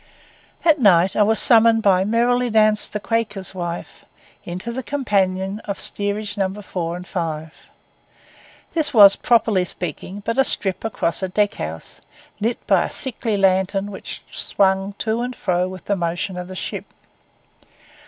That night I was summoned by 'Merrily danced the Quake's wife' into the companion of Steerage No. 4 and 5. This was, properly speaking, but a strip across a deck house, lit by a sickly lantern which swung to and fro with the motion of the ship.